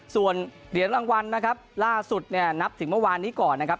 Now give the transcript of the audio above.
ส่วนเหรียญรางวัลนะครับล่าสุดเนี่ยนับถึงเมื่อวานนี้ก่อนนะครับ